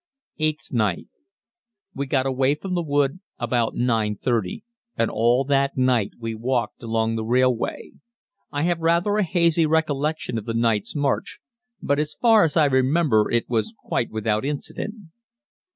Eighth Night. We got away from the wood about 9.30, and all that night we walked along the railway. I have rather a hazy recollection of the night's march, but as far as I remember it was quite without incident.